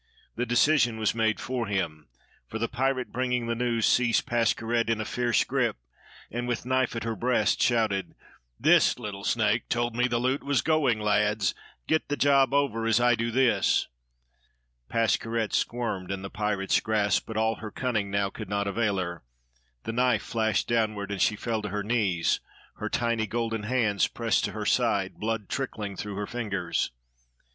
The decision was made for him; for the pirate bringing the news, seized Pascherette in a fierce grip, and with knife at her breast shouted: "This little snake told me the loot was going, lads! Get the job over, as I do this!" Pascherette squirmed in the pirate's grasp, but all her cunning now could not avail her. The knife flashed downward, and she fell to her knees, her tiny golden hands pressed to her side, blood trickling through her fingers.